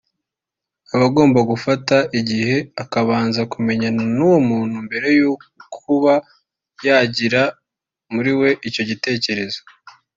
Aba agomba gufata igihe akabanza akamenyerana n’uwo muntu mbere yo kuba yagira muri we icyo gitekerezo